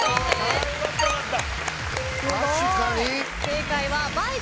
よかったよかった。